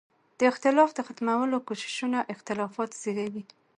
د اختلاف د ختمولو کوششونه اختلافات زېږوي.